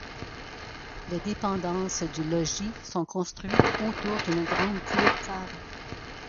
Les dépendances du logis sont construites autour d'une grande cour carrée.